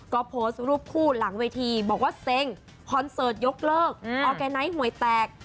ก็โพสต์รูปคู่หลังเวทีบอกว่าเซ็งคอนเสิร์ตยกเลิกออร์แกไนท์หวยแตก